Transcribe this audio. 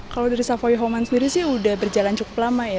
kalau dari savoy homan sendiri sih udah berjalan cukup lama ya